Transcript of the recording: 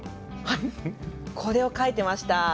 これを書いていました。